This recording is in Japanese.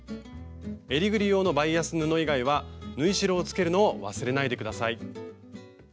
えりぐり用のバイアス布以外は縫い代をつけるのを忘れないで下さい。